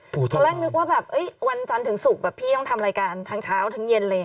พอแรงนึกว่าวันจันทร์ถึงสุกพี่ต้องทำรายการทั้งเช้าถึงเย็น